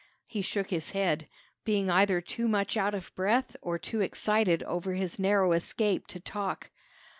He shook his head, being either too much out of breath or too excited over his narrow escape to talk.